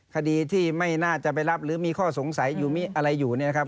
คดีที่ไม่น่าจะไปรับหรือมีข้อสงสัยอะไรอยู่นะครับ